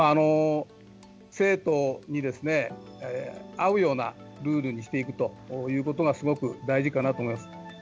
生徒に合うようなルールにしていくということが、すごく大事かなと思います。